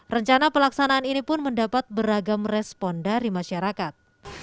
rencana pelaksanaan ini pun mendapat beragam respon dari masyarakat